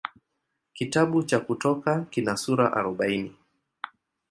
Kitabu cha Kutoka kina sura arobaini.